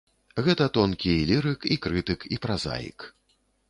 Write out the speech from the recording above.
Гэта тонкі і лірык, і крытык, і празаік.